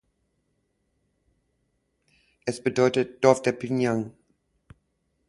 Es bedeutet "Dorf der Pinang".